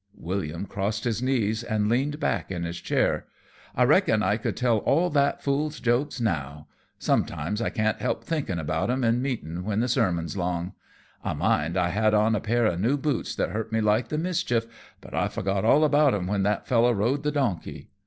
William crossed his knees and leaned back in his chair. "I reckon I could tell all that fool's jokes now. Sometimes I can't help thinkin' about 'em in meetin' when the sermon's long. I mind I had on a pair of new boots that hurt me like the mischief, but I forgot all about 'em when that fellow rode the donkey.